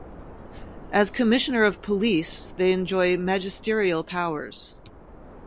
As Commissioner of Police they enjoy magisterial powers.